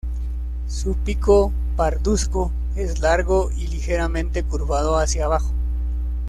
Su pico parduzco es largo y ligeramente curvado hacia abajo.